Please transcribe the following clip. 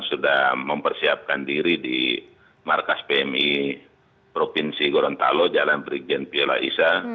sudah mempersiapkan diri di markas pmi provinsi gorontalo jalan brigjen piala isa